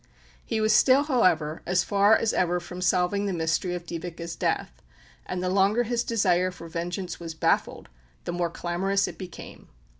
He was still, however, as far as ever from solving the mystery of Dyveke's death; and the longer his desire for vengeance was baffled, the more clamorous it became.